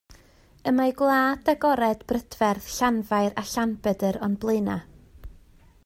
Y mae gwlad agored brydferth Llanfair a Llanbedr o'n blaenau.